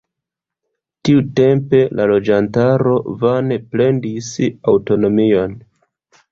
Tiutempe la loĝantaro vane pretendis aŭtonomion.